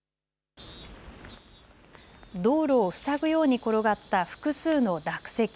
道路を塞ぐように転がった複数の落石。